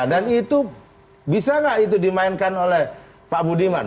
dan itu bisa nggak dimainkan oleh pak budiman